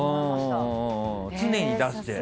常に出して。